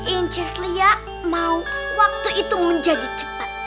incis lia mau waktu itu menjadi cepat